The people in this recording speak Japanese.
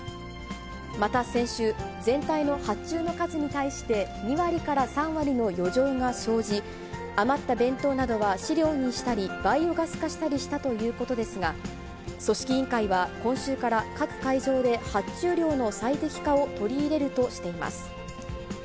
また先週、全体の発注の数に対して、２割から３割の余剰が生じ、余った弁当などは飼料にしたり、バイオガス化したりしたということですが、組織委員会は今週から各会場で、発注量の最適化を取り入れるとしています。